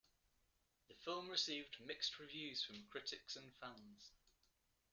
The film received mixed reviews from critics and fans.